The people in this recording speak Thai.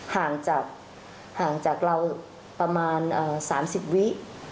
ห่างจากเราประมาณ๓๐วิ